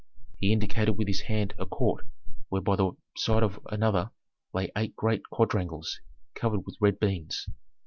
He indicated with his hand a court where one by the side of another lay eight great quadrangles covered with red beans.